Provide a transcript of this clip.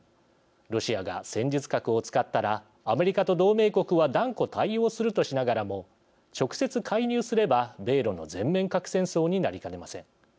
ロシアが戦術核を使ったらアメリカと同盟国は断固対応するとしながらも、直接介入すれば米ロの全面核戦争になりかねません。